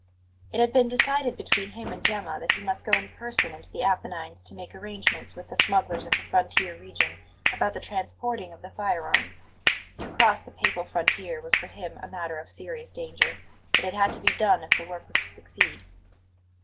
It had been decided between him and Gemma that he must go in person into the Apennines to make arrangements with the smugglers of the frontier region about the transporting of the firearms. To cross the Papal frontier was for him a matter of serious danger; but it had to be done if the work was to succeed.